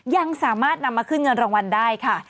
ยังสามารถนำมาขึ้นเงินรางวัลได้ค่ะ